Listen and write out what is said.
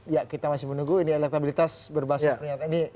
ya kita masih menunggu ini elektabilitas berbasis pernyataan